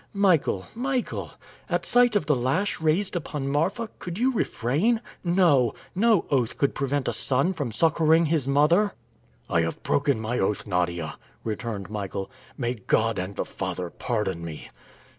"Michael, Michael! at sight of the lash raised upon Marfa, could you refrain? No! No oath could prevent a son from succoring his mother!" "I have broken my oath, Nadia," returned Michael. "May God and the Father pardon me!"